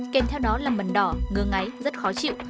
kèm theo đó là mần đỏ ngơ ngáy rất khó chịu